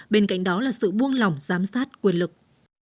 bên cạnh đó là sự buông lỏng giám sát quyền lực